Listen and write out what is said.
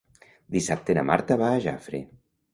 Dissabte na Marta va a Jafre.